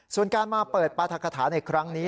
ส่วนการมาเปิดปราธกฐาในครั้งนี้